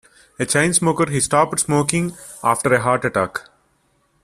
A chain smoker, he stopped smoking after a heart attack.